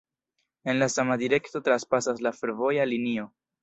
En la sama direkto trapasas la fervoja linio.